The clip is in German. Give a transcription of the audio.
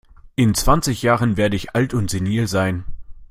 In zwanzig Jahren werde ich alt und senil sein.